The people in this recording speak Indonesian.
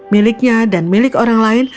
miliknya dan milik orang lain